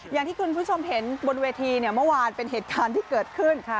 อย่างที่คุณผู้ชมเห็นบนเวทีเนี่ยเมื่อวานเป็นเหตุการณ์ที่เกิดขึ้น